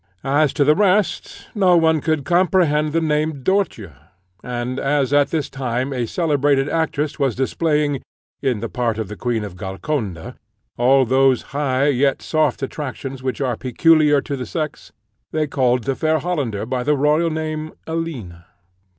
As to the rest, no one could comprehend the name "Dörtje;" and as at this time a celebrated actress was displaying, in the part of the Queen of Golconda, all those high yet soft attractions which are peculiar to the sex, they called the fair Hollander by the royal name, Alina.